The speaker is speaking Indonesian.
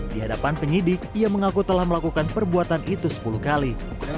di hadapan penyidik ia mengaku telah melakukan perbuatan itu sepuluh kali